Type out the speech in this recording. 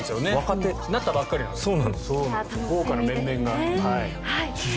なったばかりなんですね。